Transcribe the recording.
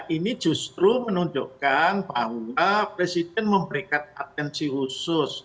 ini justru menunjukkan bahwa presiden memberikan atensi khusus